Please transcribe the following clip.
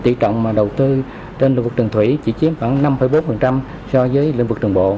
tỷ trọng mà đầu tư trên lĩnh vực đường thủy chỉ chiếm khoảng năm bốn so với lĩnh vực đường bộ